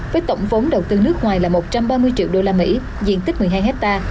với tổng vốn đầu tư nước ngoài là một trăm ba mươi triệu usd diện tích một mươi hai hectare